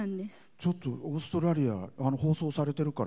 ちょっとオーストラリア放送されてるから。